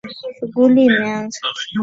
Shughuli imeanza.